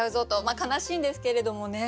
まあ悲しいんですけれどもね。